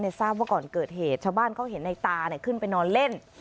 ครู้สึกว่าก่อนเกิดเหตุชาวบ้านเห็นไอ้ตาขึ้นไปนอนเล่น